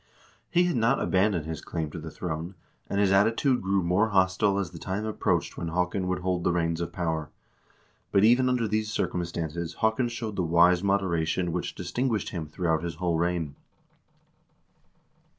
He had not abandoned his claim to the throne, and his attitude grew more hostile as the time approached when Haakon would hold the reins of power, but even under these cir cumstances Haakon showed the wise moderation which distinguished him throughout his whole reign.